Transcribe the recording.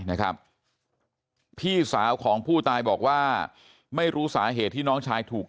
นะครับพี่สาวของผู้ตายบอกว่าไม่รู้สาเหตุที่น้องชายถูก